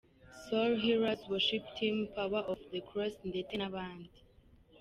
Soul Healers Worship Team, Powe of the Cross ndetse n'abandi.